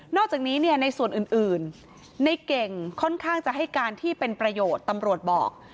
อกจากนี้เนี่ยในส่วนอื่นในเก่งค่อนข้างจะให้การที่เป็นประโยชน์ตำรวจบอก